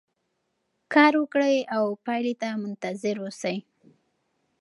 کار وکړئ او پایلې ته منتظر اوسئ.